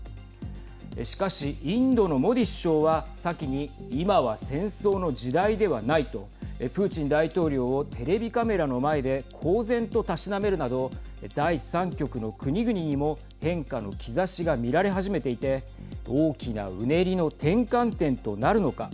しかし、インドのモディ首相は先に、今は戦争の時代ではないとプーチン大統領をテレビカメラの前で公然とたしなめるなど第３極の国々にも変化の兆しが見られ始めていて大きなうねりの転換点となるのか。